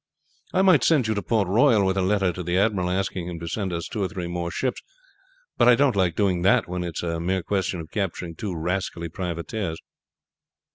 I might send you to Port Royal with a letter to the admiral, asking him to send us two or three more ships; but I don't like doing that when it is a mere question of capturing two rascally privateers."